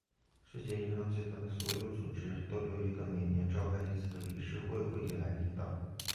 世界银行集团的所有组织都由一个每年召开一次的理事会会议来领导。